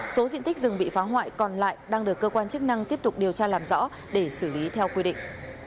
số diện tích rừng bị phá hoại còn lại đang được cơ quan chức năng tiếp tục điều tra làm rõ để xử lý theo quy định